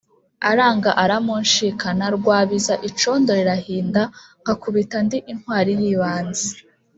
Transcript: aranga aramunshikana; Rwabiza icondo rirahinda, ngakubita ndi intwari y’ibanze.